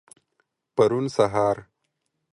پرون سهار.